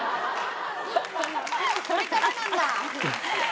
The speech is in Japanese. これからなんだ。